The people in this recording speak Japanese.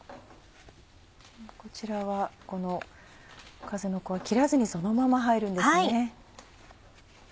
こちらはかずのこは切らずにそのまま入るんですね。